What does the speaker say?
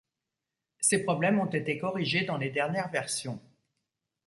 Ces problèmes ont été corrigés dans les dernières versions.